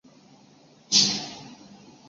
至建初元年。